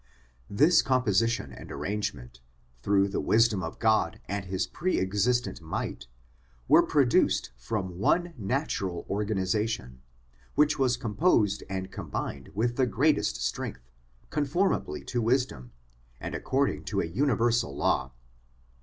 This composition and arrangement through the wisdom of God and His pre existent might, were produced from one natural organisation, which was composed and combined with the greatest strength, POWERS AND CONDITIONS OF MAN 211 conformably to wisdom, and according to a universal law.